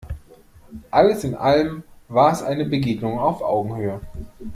Alles in allem war es eine Begegnung auf Augenhöhe.